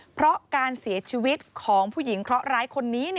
เพราะการเสียชีวิตของผู้หญิงเคราะหร้ายคนนี้